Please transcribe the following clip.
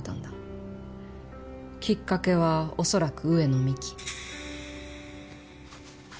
きっかけは恐らく上野美貴。